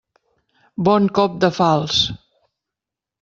Bon cop de falç!